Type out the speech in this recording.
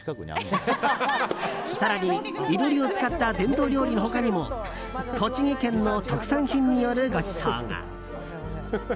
更に、囲炉裏を使った伝統料理の他にも栃木県の特産品によるごちそうが。